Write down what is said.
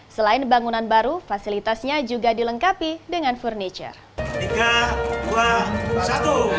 selain bangunan baru fasilitasnya juga dilengkapi dengan furniture